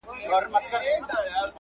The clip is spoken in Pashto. بلکې که ستاسې امر او حکم